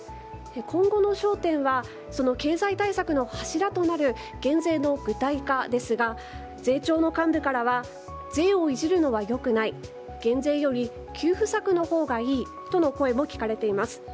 今後の焦点は経済対策の柱となる減税の具体化ですが税調の幹部からは税をいじるのは良くない減税より給付策のほうがいいとの声も聞かれています。